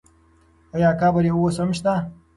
آیا قبر یې اوس هم شته؟